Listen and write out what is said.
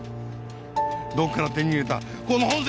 どっから手に入れたこの本籍